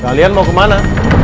kalian mau ke mana